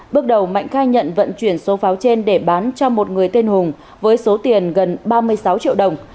bước đầu mạnh khai nhận vận chuyển số pháo trên để bán cho một người tên hùng với số tiền gần ba mươi sáu triệu đồng